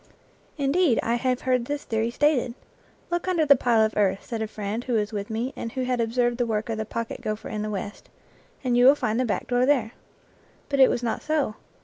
Indeed, I have heard this theory stated. " Look under the pile of earth," said a friend who was with me and who had observed the work of the pocket gopher in the West, " and you will find the back door there." But it was not so.